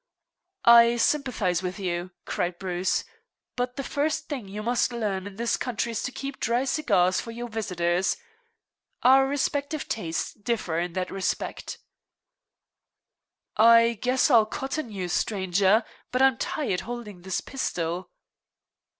"I sympathize with you!" cried Bruce. "But the first thing you must learn in this country is to keep dry cigars for your visitors. Our respective tastes differ in that respect." "I guess I'll cotton to you, stranger; but I'm tired holding this pistol."